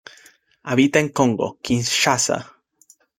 Habita en Congo, Kinshasa.